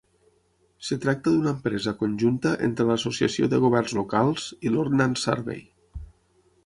Es tracta d'una empresa conjunta entre l'Associació de Governs Locals i l'Ordnance Survey.